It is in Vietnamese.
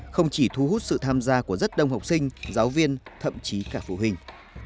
không chỉ thu hút sự tham gia của rất đông học sinh giáo viên thậm chí cả phụ huynh